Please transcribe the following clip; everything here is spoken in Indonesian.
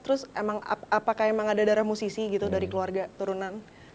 terus emang apakah emang ada darah musisi gitu dari keluarga turunan